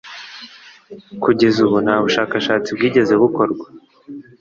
Kugeza ubu ntabushakashatsi bwigeze bukorwa